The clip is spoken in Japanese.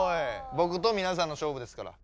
ぼくとみなさんの勝負ですから。